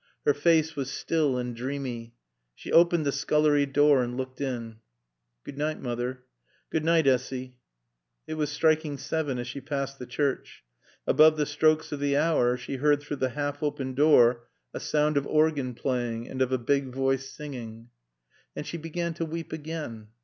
Her face was still and dreamy. She opened the scullery door and looked in. "Good night, Moother." "Good night, Assy." It was striking seven as she passed the church. Above the strokes of the hour she heard through the half open door a sound of organ playing and of a big voice singing. And she began to weep again.